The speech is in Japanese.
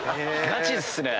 ガチっすね。